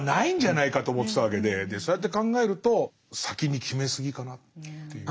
そうやって考えると先に決めすぎかなっていう。